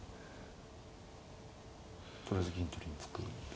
とりあえず銀取りに突く。